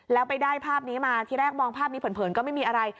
แล้วไปได้ภาพนี้มาที่แรกมองภาพนี้เผินก็ไม่มีอะไร